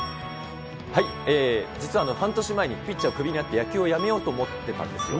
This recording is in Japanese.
実は半年前にピッチャーをクビになって、野球を辞めようと思ってたんですよ。